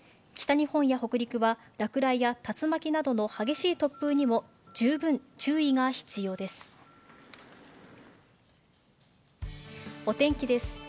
北日本や北陸は、落雷や竜巻などの激しい突風にも十分注意が必要です。